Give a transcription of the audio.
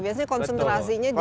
biasanya konsentrasinya di mana